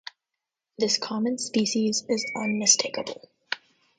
This common species is unmistakable.